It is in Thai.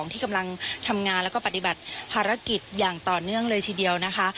ที่กำลังทำงานแล้วก็ปฏิบัติภารกิจอย่างต่อเนื่องเลยทีเดียวนะคะ